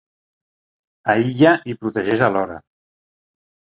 Aïlla i protegeix alhora.